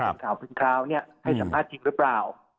ปปชถามเมื่อคราวเนี่ยให้สัมภาพจริงหรือเปล่า